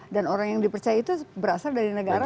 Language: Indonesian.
dan orang yang dipercaya itu berasal dari negara